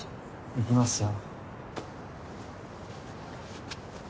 行きますよ。